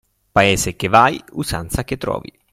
Paese che vai usanza che trovi.